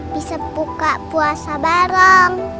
bisa buka puasa bareng